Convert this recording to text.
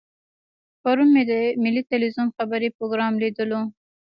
پرون مې د ملي ټلویزیون خبري پروګرام لیدلو.